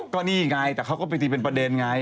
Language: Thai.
ก็นี่ไงแต่เขาก็ไปตีเป็นประเด็นไง